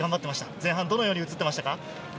前半どのように映っていましたか？